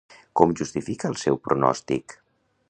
Com justifica el seu pronòstic?